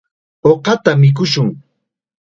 Uqata mikushun.